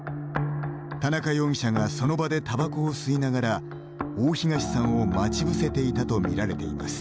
田中容疑者がその場でたばこを吸いながら大東さんを待ち伏せていたとみられています。